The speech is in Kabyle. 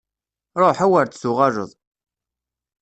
Ruḥ, a wer d-tuɣaleḍ!